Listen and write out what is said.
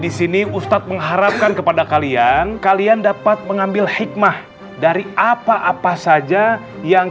disini ustadz mengharapkan kepada kalian kalian dapat mengambil hikmah dari apa apa saja yang